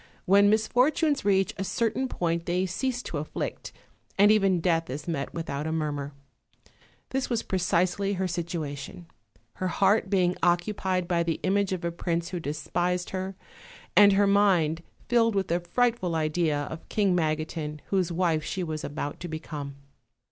When misfortunes reach a certain point they cease to afflict, and even death is met without a murmur: this was precisely her situation, her heart being occupied by the image of a prince who despised her, and her mind filled with the frightful idea of King Magotiu, whose wife she was about to become.